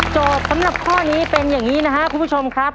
สำหรับข้อนี้เป็นอย่างนี้นะครับคุณผู้ชมครับ